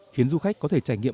khiến du khách có thể trải nghiệm